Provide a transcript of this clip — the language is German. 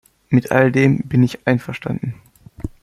Mit all dem bin ich einverstanden.